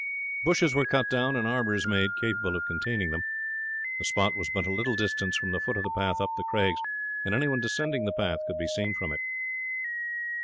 Bushes were cut down, and arbours made capable of containing them. The spot was but a little distance from the foot of the path up the craigs, and any one descending the path could be seen from it.